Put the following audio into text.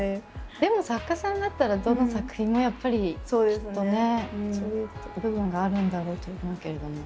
でも作家さんだったらどの作品もやっぱりきっとねそういう部分があるんだろうと思うけれども。